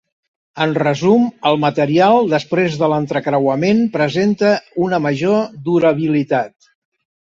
En resum el material després de l'entrecreuament presenta una major durabilitat.